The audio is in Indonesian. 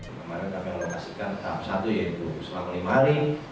kemarin kami alokasikan tahap satu yaitu selama lima hari